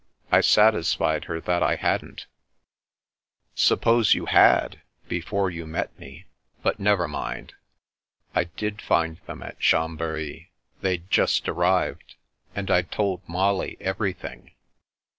I satisfied her that I hadn't." "Suppose you had — ^before you met me! But never mind. I did find them at Chambery. They'd just arrived, and I told Molly everything."